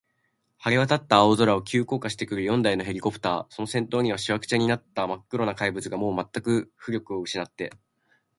晴れわたった青空を、急降下してくる四台のヘリコプター、その先頭には、しわくちゃになったまっ黒な怪物が、もうまったく浮力をうしなって、